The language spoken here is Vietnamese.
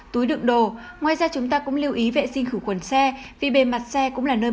túi đựng đồ ngoài ra chúng ta cũng lưu ý vệ sinh khử khuẩn xe vì bề mặt xe cũng là nơi